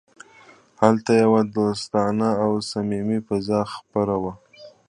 هلته یوه دوستانه او صمیمي فضا خپره وه